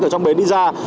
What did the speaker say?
ở trong bến đi ra